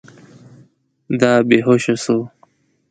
دا بې هوشه سو.